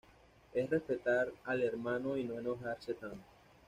Es respetar al hermano y no enojarse tanto.